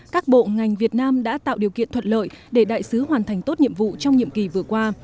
các bộ ngành việt nam đã tạo điều kiện thuận lợi để đại sứ hoàn thành tốt nhiệm vụ trong nhiệm kỳ vừa qua